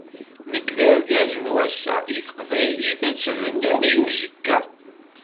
Nekk d argaz n wass-a, i teqbaylit ad tt-bnuɣ i uzekka.